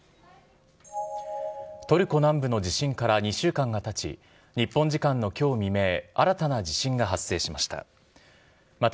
トルコ南部の地震から２週間がたち、日本時間のきょう未明、新たな地震が発生しました。